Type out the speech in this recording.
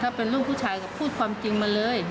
ถ้าเป็นลูกผู้ชายก็พูดความจริงมาเลย